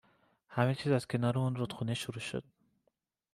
همه چیز از کنار اون رودخونه شروع شد